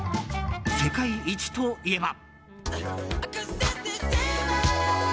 世界一といえば。